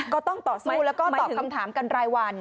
ก็ต้องต่อสู้แล้วก็ตอบคำถามกันรายวัน